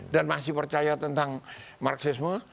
dan masih percaya tentang marxisme